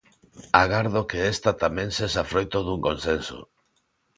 Agardo que esta tamén sexa froito dun consenso.